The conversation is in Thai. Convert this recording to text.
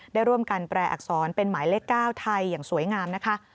ได้ร่วมกันแปลอักษรเป็นหมายเลข๙ไทยอย่างสวยงามนะคะ